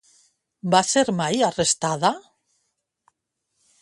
Va ser mai arrestada?